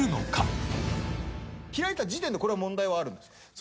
開いた時点で問題はあるんですか？